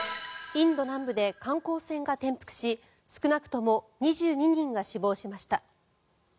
インド南部で観光船が転覆し少なくとも２２人が死亡しました。